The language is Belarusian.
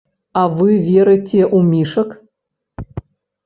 А вы верыце ў мішак?